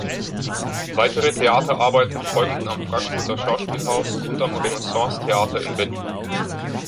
Weitere Theaterarbeiten folgten am Frankfurter Schauspielhaus und am Renaissance-Theater in Berlin.